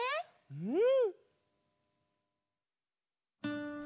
うん！